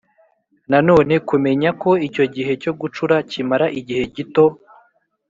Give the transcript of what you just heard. Nanone kumenya ko icyo gihe cyo gucura kimara igihe gito